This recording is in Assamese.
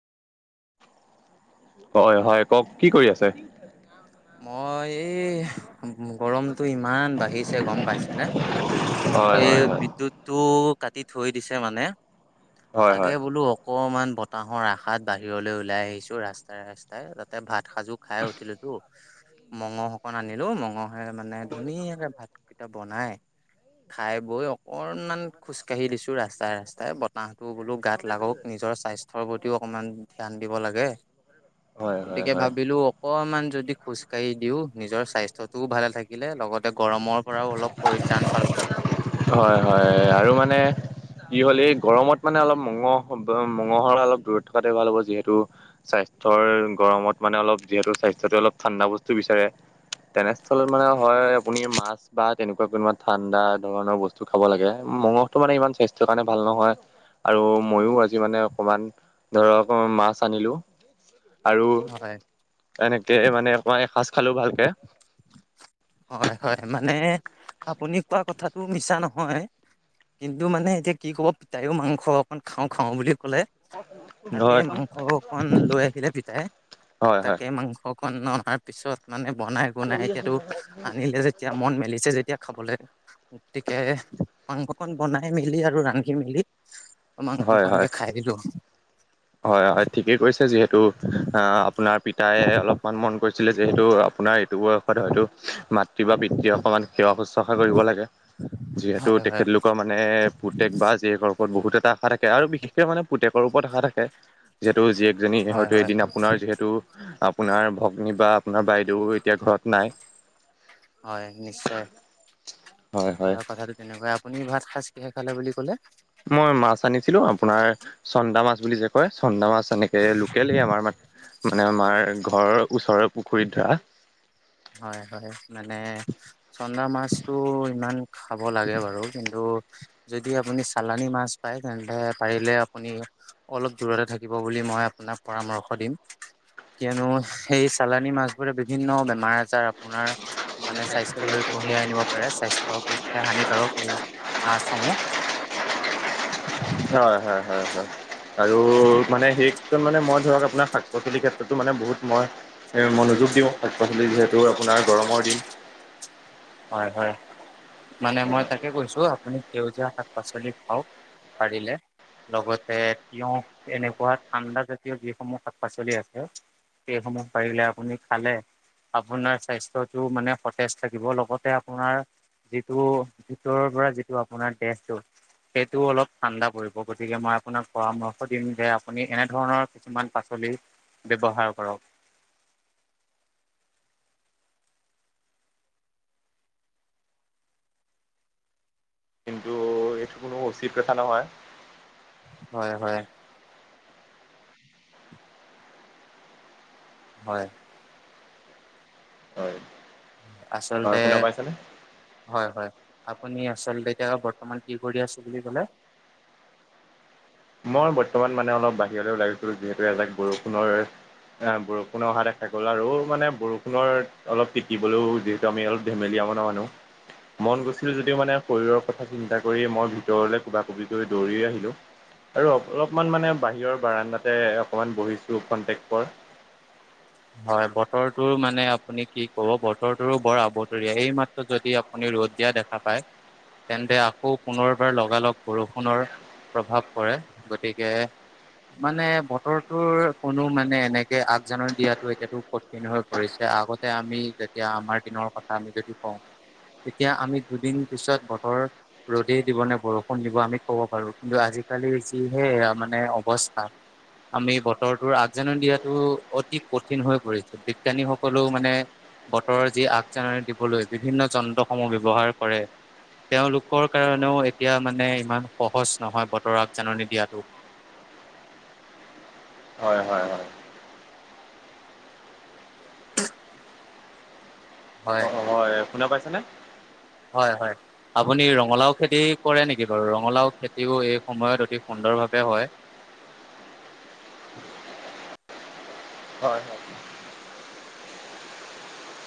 হয় হয় কওক কি কৰি আছে? মই এই গৰমতটো ইমান বাঢ়িছে গম পাইছেনে? হয় এই হয় হয় বিদ্যুতো কাটি থৈ দিছে মানে হয় তাকে হয় বোলো অ অকমান বতাহৰ আশাত বাহিৰলৈ ওলাই আহিছো ৰাস্তাই ৰাস্তাই তাতে ভাত খাজু খাই উঠিলো তো মঙহ অকন আনিলো। মঙহে মানে ধুনীয়াকে ভাত ত বনাই খাই বৈ অকনমান খোজকাঢ়ি দিছো ৰাস্তাই ৰাস্তাই বতাহ টো বোলো গাত লাগক নিজৰ স্বাস্থ্যৰ প্ৰতিও অকমান ধ্যান দিব লাগে। হয় হয় গতিকে ভাবিলো অকমান যদি খোজ কাঢ়ি দিও নিজৰ স্বাস্থ্যতটোও ভালে থাকিলে লগত গৰমৰ পৰাও অলপ পৰিত্ৰাণ পালো। হয় হয় হয় আৰু মানে কি হ'লে এই গৰমত মানে অলপ মঙহ মঙহৰ অলপ দূৰত থকাতে ভাল হ'ব। যিহেতু স্বাস্থ্যৰ গৰমত মানে অলপ যিহেতু স্বাস্থ্যটোৱে অলপ ঠাণ্ডা বস্তু বিচাৰে। তেনেস্থলত মানে হয় আপুনি মাছ বা তেনেকুৱা কোনোবা ঠাণ্ডা ধৰণৰ বস্তু খাব লাগে। মঙহতটো মানে ইমান স্বাস্থ্যৰ কাৰণে ভাল নহয় আৰু মইও আজি মানে অকমান ধৰক মাছ আনিলো। আৰু হয় এনেকে মানে অকই এসজ খালো ভালকে হয় হয় মানে আপুনি কোৱা কথাতটো মিছা নহয়। কিন্তু মানে এতিয়া কি ক'ব তাইও মাংস অকন খাওঁ খাওঁ বুলি কলে তাকে হয় মাংস অকমান লৈ আহিলে। পিতাই হয় হয় তাকে মাংসক অনাৰ পিছত মানে বনাই গুনাই এতিয়াতো আনিলে যেতিয়া মন মেলিছে যেতিয়া খাবলৈ গতিকে মাংসখন বনাই মেলি আৰু ৰান্ধি মেলি মাংস হয় হয় কনকে খাই দিলো। হয় হয় ঠিকেই কৈছে। যিহেতু আহ আপোনাৰ পিতাই অলপমান মন কৰিছিলে যে এইটো আপোনাৰ এইটো বয়সত হয়তো মাতৃ বা পিতৃ সকল সেৱা শুশ্ৰূষা কৰিব লাগে। যিহেতু হয় হয় তেখেতলোকৰ মানে পুতেক বা জীয়েকৰ ওপৰত বহুত এটা আশা থাকে আৰু বিশেষক মানে পুতেকৰ ওপৰত আশা থাকে। যিহেতু জীয়েকজনী হয় হয়তো হয় এদিন আপোনাৰ যিহেতু আপোনাৰ ভগ্নী বা আপোনাৰ বাইদেউ এতিয়া ঘৰত নাই। হয় নিশ্চয় হয় হয় আৰু কথাটো তেনেকুৱা আপুনি ভাত সাজ কিহে খালে বুলি ক'লে? মই মাছ আনিছিলো আপোনাৰ চন্দা মাছ বুলি যে কয় চন্দা মাছ। তেনেকে লোকলেই আমাৰ মানে আমাৰ ঘৰৰ ওচৰৰ পুখুৰীত ধৰা হয় হয় মানে চন্দা মাছতটো ইমান খাব লাগে বাৰু কিন্তু যদি আপুনি চালানি মাছ পায়। তেন্তে পাৰিলে আপুনি অলপ দূৰতে থাকিব বুলি বুলি মই আপোনাক পৰামৰ্শ দিম। কিয়নো সেই চালানী মাছোবোৰে বিভিন্ন বেমাৰ আজাৰ আপোনাৰ মানে স্বাস্থ্য লৈ কঢ়িয়াই আনিব পাৰে। স্বাস্থ্য পৰীক্ষা হানিকাৰক স মাছসমূহ হয় হয় হয় হয় আৰু মানে সেই মানে মই ধৰক আপোনাৰ শাক পাচলিৰ ক্ষেত্ৰতো মানে বহুত মই মনোযোগ দিওঁ। শাক পাচলি যিহেতু আপোনাৰ গৰমৰ দিন হয় হয় মানে মই তাকে কৈছো আপুনি সেউজীয়া শাক পাচলি খাওঁক। পাৰিলে লগতে তিয়ঁহ এনেকুৱা ঠাণ্ডা জাতীয় যিসমূহ শাক-পাচলি আছে সেইসমূহ পাৰিলে আপুনি খালে আপোনাৰ স্বাস্থ্যটো মানে সতেজ থাকিব লগতে আপোনাৰ যিটো ভিতৰৰ পৰা যিটো আপোনাৰ দেহটো সেইটোও অলপ ঠাণ্ডা পৰিব গতিকে মই আপোনাক পৰামৰ্শ দিম যে আপুনি এনে ধৰণৰ কিছুমান পা পাচলি ব্যৱহাৰ কৰক কিন্তু এইটো কোনো উচিত কথা নহয়। হয়-হয় হয় হয়। হয় আচলতে শুনা পাইছেনে? হয়-হয়। আপুনি আচলতে এতিয়া বৰ্তমান কি কৰি আছোঁ বুলি ক'লে? মই বৰ্তমান মানে অলপ বাহিৰলৈ গৈছিলোঁ যিহেতু এজাক বৰষুণৰ অ বৰষুণ অহা দেখা গ'ল আৰু মানে বৰষুণৰ অলপ তিতিবলৈও যিহেতু আমি অলপ ধেমেলিয়া মনৰ মানুহ মন গৈছিল যদিও মানে শৰীৰৰ কথা চিন্তা কৰি মই ভিতৰলৈ কোবা-কোবিকৈ দৌৰি আহিলো। আৰু অলপমান মানে বাহিৰৰ বাৰাণ্ডাতে অকণমান বহিছোঁ খন্তেক পৰ হয় বতৰটো মানে আপুনি কি কব বতৰটোৰো বৰ আবতৰীয়া এইমাত্ৰ যদি আপুনি ৰ'দ দিয়া দেখা পায় তেন্তে আকৌ পুনৰবাৰ লগালগ বৰষুণৰ প্ৰভাৱ পৰে গতিকে মানে বতৰটোৰ কোনো মানে এনেকে আগজাননী দিয়াত এতিয়াতো কঠিন হৈ পৰিছে আগতে আমি যেতিয়া আমাৰ দিনৰ কথা আমি যদি কওঁ এতিয়া আমি দুদিন পিছত বতৰ ৰ'দেই দিব নে বৰষুণ দিব আমি ক'ব পাৰো কিন্তু আজি। আজিকালি যিহে এয়া মানে অৱস্থা আমি বতৰটোৰ আগজাননী দিয়াতো অতি কঠিন হৈ পৰিছে বিজ্ঞানীসকলেও মানে বতৰৰ যি আগজাননী দিবলৈ বিভিন্ন যন্ত্ৰসমূহ ব্যৱহাৰ কৰে তেওঁলোকৰ কাৰণেও এতিয়া মানে ইমান সহজ নহয় বতৰৰ আগজাননী দিয়াটো [inaudible] হয় হয় হয় [unintelligible] হয় শুনা পাইছা নে? হয়-হয় আপুনি ৰঙালাও খেতি কৰে নেকি বাৰু ৰঙালাও খেতিও এই সময়ত অতি সুন্দৰ সুন্দৰভাৱে হয় হয়-হয়